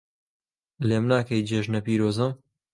لێم ناکەی جێژنە پیرۆزە